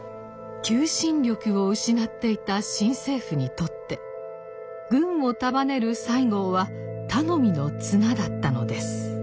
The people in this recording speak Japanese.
求心力を失っていた新政府にとって軍を束ねる西郷は頼みの綱だったのです。